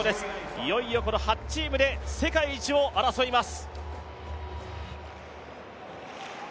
いよいよこの８チームで世界一を争います。